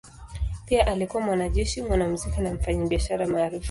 Pia alikuwa mwanajeshi, mwanamuziki na mfanyabiashara maarufu.